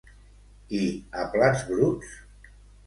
I a Plats Bruts?